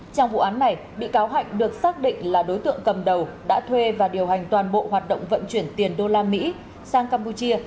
trong vụ án này bị cáo hạnh được xác định là đối tượng cầm đầu đã thuê và điều hành toàn bộ hoạt động vận chuyển tiền đô la mỹ sang campuchia